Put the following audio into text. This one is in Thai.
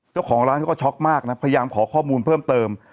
เจ้าของร้านเขาก็ช็อกมากนะพยายามขอข้อมูลเพิ่มเติม